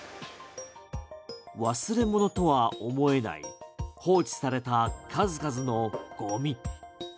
忘れ物とは思えない放置された数々のゴミ。